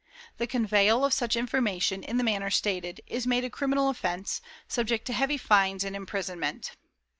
The conveyal of such information, in the manner stated, is made a criminal offence, subject to heavy fines and imprisonment.